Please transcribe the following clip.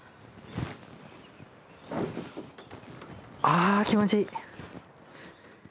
ああ気持ちいい。